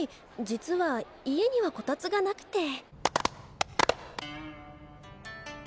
実は家にはこたつがなくて。